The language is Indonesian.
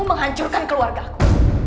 menghancurkan keluarga aku